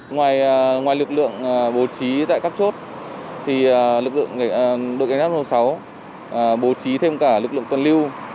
ngoài lực lượng bố trí tại các chốt lực lượng cảnh sát giao thông sáu bố trí thêm cả lực lượng tuần lưu